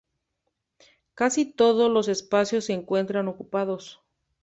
Casi todos los espacios se encuentran ocupados.